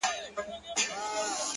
دوى خو. له غمه څه خوندونه اخلي.